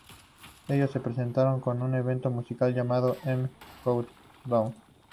Ellos se presentaron en un evento musical llamado "M Countdown".